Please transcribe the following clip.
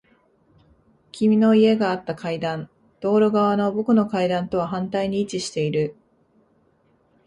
君の家があった階段。道路側の僕の階段とは反対に位置している。